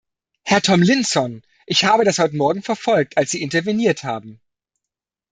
Herr Tomlinson, ich habe das heute morgen verfolgt, als Sie interveniert haben.